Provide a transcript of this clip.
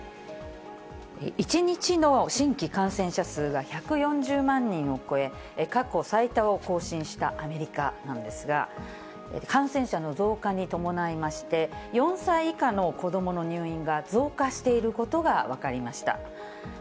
１日の新規感染者数が１４０万人を超え、過去最多を更新したアメリカなんですが、感染者の増加に伴いまして、４歳以下の子どもの入院が増加していることが分かりました。